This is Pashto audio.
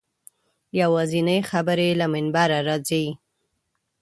یوازینۍ خبرې له منبره راځي.